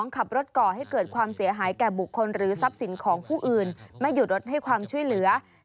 ขับรถก่อให้เกิดความเสียหายแก่บุคคลหรือทรัพย์สินของผู้อื่นไม่หยุดรถให้ความช่วยเหลือ